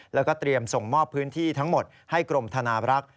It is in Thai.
แล้วก็เตรียมส่งมอบพื้นที่ทั้งหมดให้กรมธนาบรักษ์